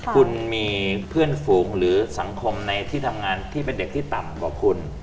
คุณมีเพื่อนฝูงหรือสังคมในที่ทำงานที่เป็นเด็กที่ต่ำกว่าคุณ